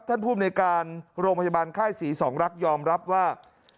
ท่านภูมิในการโรงพยาบาลค่ายศรีสองรักยอมรับว่า